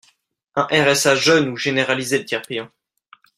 un RSA jeunes ou généraliser le tiers payant.